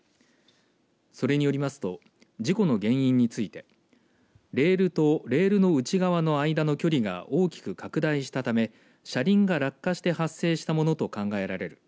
それによりますと事故の原因についてレールとレールの内側の間の距離が大きく拡大したため車輪が落下して発生したものと考えられる。